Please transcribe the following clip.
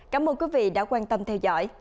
cảm ơn quý vị đã quan tâm theo dõi